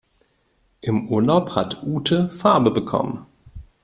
Im Urlaub hat Ute Farbe bekommen.